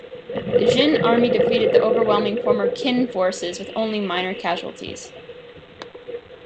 The Jin army defeated the overwhelming Former Qin forces, with only minor casualties.